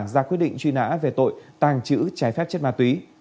ra quyết định truy nã về tội tàng trữ trái phép chất ma túy